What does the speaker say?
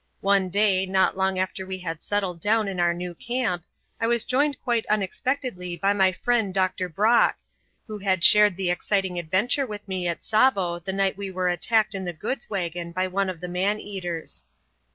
One day not long after we had settled down in our new camp, I was joined quite unexpectedly by my friend Dr. Brock, who had shared the exciting adventure with me at Tsavo the night we were attacked in the goods wagon by one of the man eaters.